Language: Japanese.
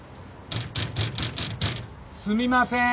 すみません。